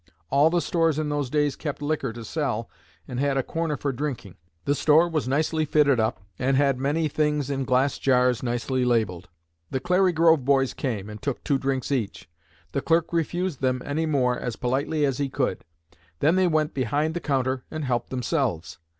All the stores in those days kept liquor to sell and had a corner for drinking. The store was nicely fitted up, and had many things in glass jars nicely labelled. The 'Clary Grove boys' came, and took two drinks each. The clerk refused them any more as politely as he could. Then they went behind the counter and helped themselves.